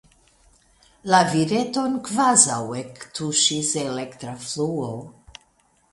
La vireton kvazaŭ ektuŝis elektra fluo.